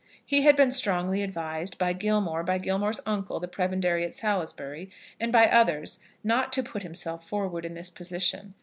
He had been strongly advised, by Gilmore, by Gilmore's uncle, the prebendary at Salisbury, and by others, not to put himself forward in this position.